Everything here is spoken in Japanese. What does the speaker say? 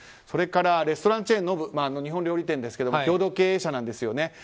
それからレストランチェーンＮＯＢＵ日本料理店ですけども共同経営者なんですよね。